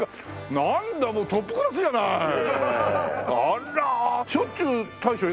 なんだもうトップクラスじゃない。